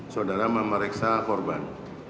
saudara memeriksa korban